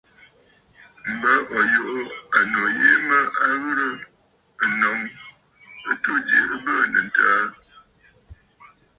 M̀bə ò yuʼù ànnù yìi mə à ghɨ̀rə ǹnǒŋ ɨtû jo ɨ bɨɨnə̀ ǹtəə.